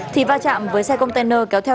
thì va chạm với xe container kéo theo